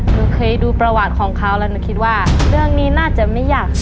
หนูเคยดูประวัติของเขาแล้วหนูคิดว่าเรื่องนี้น่าจะไม่อยาก